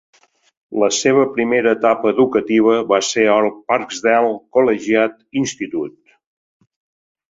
La seva primera etapa educativa va ser al Parkdale Collegiate Institute.